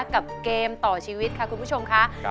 เกมต่อชีวิตค่ะคุณผู้ชมค่ะ